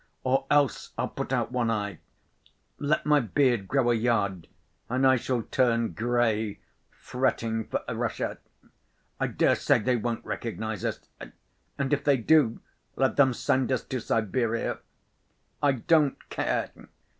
—or else I'll put out one eye, let my beard grow a yard, and I shall turn gray, fretting for Russia. I dare say they won't recognize us. And if they do, let them send us to Siberia. I don't care.